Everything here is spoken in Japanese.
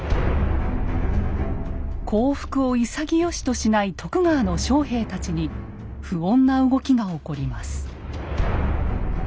降伏を潔しとしない徳川の将兵たちに不穏な動きが起こります。